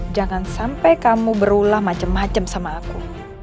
jangan sampai kamu berulah macem macem sama aku